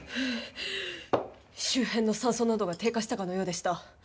周辺の酸素濃度が低下したかのようでした。